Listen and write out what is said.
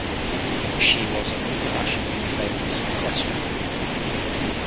She was an internationally famous equestrian performer.